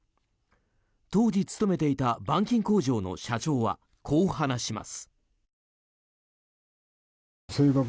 当時、勤めていた板金工場の社長はこう話します。